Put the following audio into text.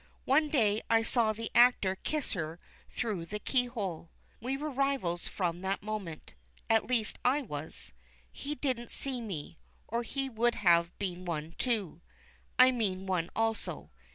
One day I saw the actor kiss her through the keyhole. We were rivals from that moment at least I was. He didn't see me, or he would have been one too; I mean one also.